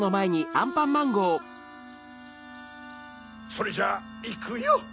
それじゃあいくよ！